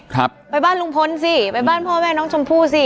ครับไปบ้านลุงพลสิไปบ้านพ่อแม่น้องชมพู่สิ